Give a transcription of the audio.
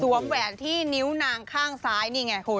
แหวนที่นิ้วนางข้างซ้ายนี่ไงคุณ